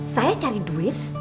saya cari duit